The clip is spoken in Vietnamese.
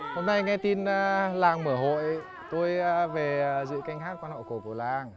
hôm nay nghe tin làng mở hội tôi về dự canh hát quan họ cổ của làng